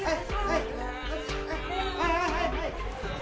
はいはいはいはい。